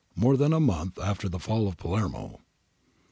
[More than a month after fall of Palermo].